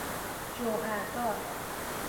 جوهردار